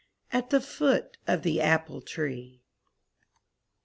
At the foot of the apple tree.